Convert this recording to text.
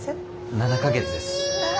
７か月です。